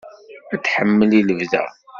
Ad t-tḥemmel i lebda.